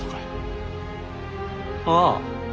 ああ。